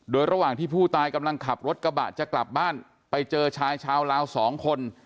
โดยระหว่างที่ผู้ตายกำลังขับรถกระบะจะกลับบ้านไปเจอชายชาวลาวสองคน